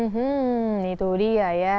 hmm itu dia ya